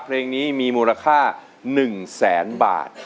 เพลงนี้มีมูลค่า๑๐๐๐๐๐บาท